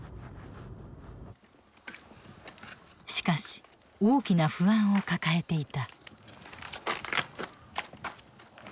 しかし大きな不安を抱えていた。